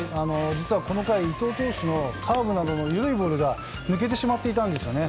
実はこの回、伊藤投手のカーブなどの緩いボールが抜けてしまっていたんですよね。